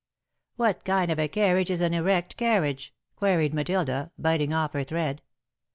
"What kind of a carriage is an erect carriage?" queried Matilda, biting off her thread.